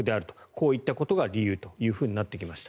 こういったことが理由ということになってきました。